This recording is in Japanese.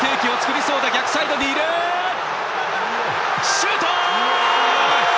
シュート！